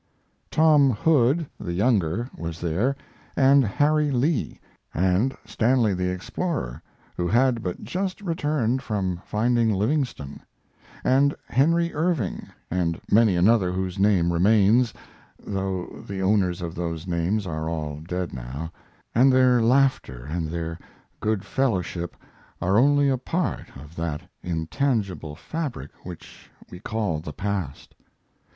Tom Hood, the younger, was there, and Harry Lee, and Stanley the explorer, who had but just returned from finding Livingstone, and Henry Irving, and many another whose name remains, though the owners of those names are all dead now, and their laughter and their good fellowship are only a part of that intangible fabric which we call the past.'